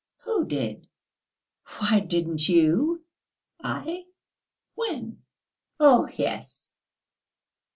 "Who did?" "Why, didn't you?" "I? When?" "Oh, yes!..."